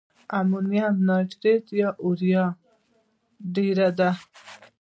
په امونیم نایتریت یا په یوریا کې ډیر دی؟